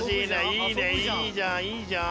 いいねいいじゃんいいじゃん。